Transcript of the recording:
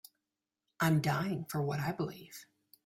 I'm dying for what I believe.